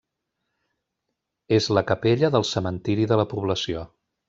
És la capella del cementiri de la població.